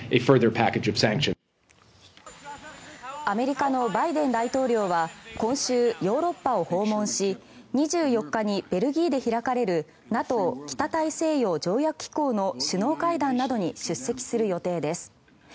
アメリカのバイデン大統領は今週ヨーロッパを訪問し２４日にベルギーで開かれるＮＡＴＯ・北大西洋条約機構の首脳会談などに出席する予定です。